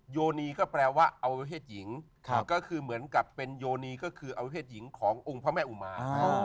โยนีก็แปลว่าอวัยเพศหญิงก็คือเหมือนกับเป็นโยนีก็คืออวัยเพศหญิงขององค์พระแม่อุมา